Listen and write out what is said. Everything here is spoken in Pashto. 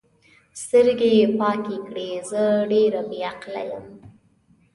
سترګې یې پاکې کړې: زه ډېره بې عقله یم.